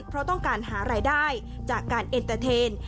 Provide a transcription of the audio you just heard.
เพราะต้องการหารายได้จากการเอ็นเตอร์เทน